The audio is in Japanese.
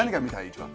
一番？